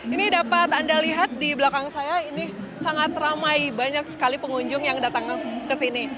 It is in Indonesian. ini dapat anda lihat di belakang saya ini sangat ramai banyak sekali pengunjung yang datang ke sini